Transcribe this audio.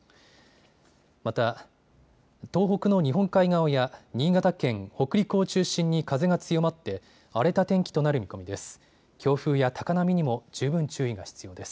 また、東北の日本海側や新潟県、北陸を中心に風が強まって荒れた天気となる見込みです。